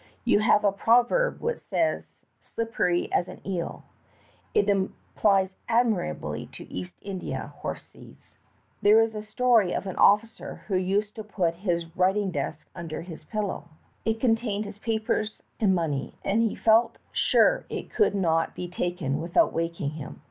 You have a proverb which says 'slippery as an eel.' It applies admirabl3^ to East India horse thieves. "There is a story of an officer who used to put his writing desk under his pillow. It contained his papers and money, and he felt sure it could not be taken without waking him.